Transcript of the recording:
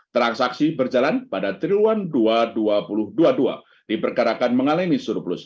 transaksi berjalan pada triwulan dua ribu dua puluh dua diperkirakan mengalami surplus